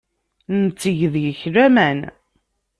Netteg deg-k laman.